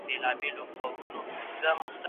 زه درسونه نه اورم